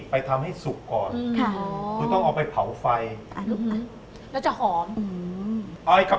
ไปทำให้สุกก่อนค่ะคือต้องเอาไปเผาไฟแล้วจะหอมอืม